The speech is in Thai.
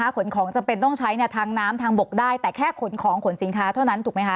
ขนของจำเป็นต้องใช้ทางน้ำทางบกได้แต่แค่ขนของขนสินค้าเท่านั้นถูกไหมคะ